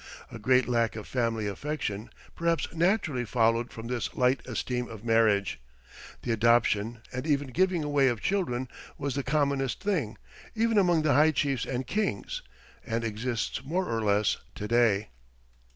A great lack of family affection perhaps naturally followed from this light esteem of marriage. The adoption and even giving away of children was the commonest thing, even among the high chiefs and kings, and exists more or less to day.